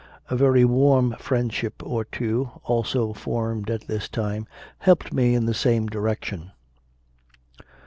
A very warm friendship or two, also formed at this time, helped me in the same direction.